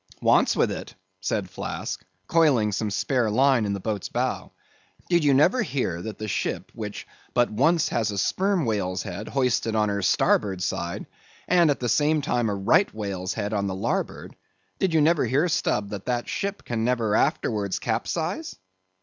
"Wants with it?" said Flask, coiling some spare line in the boat's bow, "did you never hear that the ship which but once has a Sperm Whale's head hoisted on her starboard side, and at the same time a Right Whale's on the larboard; did you never hear, Stubb, that that ship can never afterwards capsize?"